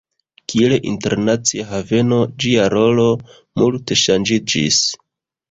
Kiel internacia haveno, ĝia rolo multe ŝanĝiĝis.